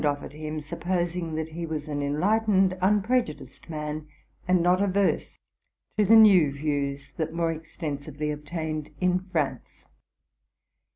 offered him; supposing that he was an enlightened, unprejudiced man, and not averse to the new views that more exten sively obtained in France.